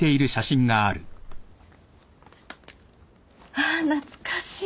あっ懐かしい。